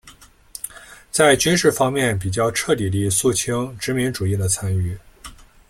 在军事方面比较彻底地肃清殖民主义的残余。